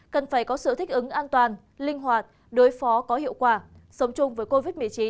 cần phải có sự thích ứng an toàn linh hoạt đối phó có hiệu quả sống chung với covid một mươi chín